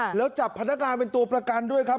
แล้วจับพนักงานเป็นตัวประกันด้วยครับ